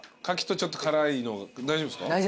カキとちょっと辛いの大丈夫ですか？